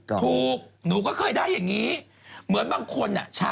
ถูกหนูก็เคยได้อย่างนี้เหมือนบางคนอ่ะใช้